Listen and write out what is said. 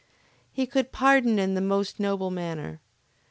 He could pardon in the most noble manner.